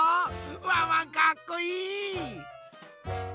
ワンワンかっこいい！